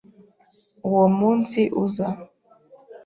Uwo munsi uza.